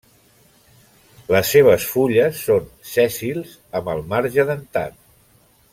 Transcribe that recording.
Les seves fulles són sèssils amb el marge dentat.